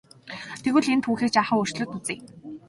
Тэгвэл энэ түүхийг жаахан өөрчлөөд үзье.